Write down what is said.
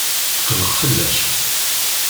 Netqelleq fell-ak.